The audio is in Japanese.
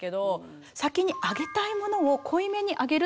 先にあげたいものを濃いめにあげるというのを。